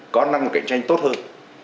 có năng cạnh tranh tốt hơn